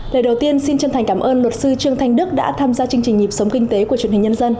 lời đầu tiên xin chân thành cảm ơn luật sư trương thanh đức đã tham gia chương trình nhịp sống kinh tế của truyền hình nhân dân